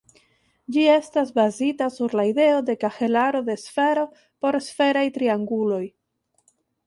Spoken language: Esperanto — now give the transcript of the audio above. Ĝi estas bazita sur la ideo de kahelaro de sfero per sferaj trianguloj.